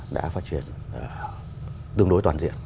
đã phát triển tương đối toàn diện